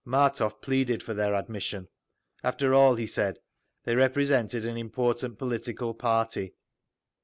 Martov pleaded for their admission; after all, he said, they represented an important political party.